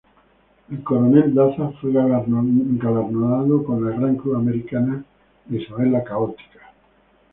El coronel Daza fue galardonado con la Gran Cruz Americana de Isabel la Católica.